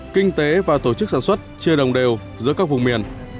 kinh tế và tổ chức sản xuất chưa đồng đều giữa các vùng miền